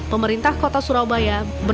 pemerintah kota surabaya berhubungan